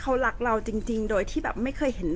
แต่ว่าสามีด้วยคือเราอยู่บ้านเดิมแต่ว่าสามีด้วยคือเราอยู่บ้านเดิม